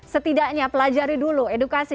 setidaknya pelajari dulu edukasi